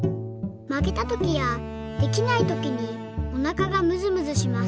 「まけたときやできないときにおなかがむずむずします。